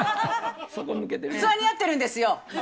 器になってるんですよ。